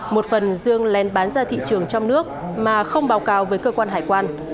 một phần dương lên bán ra thị trường trong nước mà không báo cáo với cơ quan hải quan